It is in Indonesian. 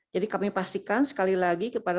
jadi kami pastikan sekali lagi kepada